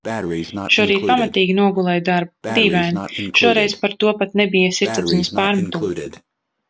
Šorīt pamatīgi nogulēju darbu. Dīvaini, šoreiz par to pat nebija sirdsapziņas pārmetumu.